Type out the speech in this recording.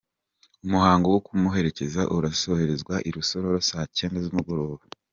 Umuhango wo kumuherekeza urasorezwa i Rusororo saa cyenda z’umugoroba.